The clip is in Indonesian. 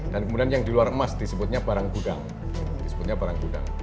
dan kemudian yang di luar emas disebutnya barang gudang